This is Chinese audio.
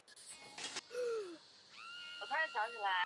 疏花变豆菜为伞形科变豆菜属的植物。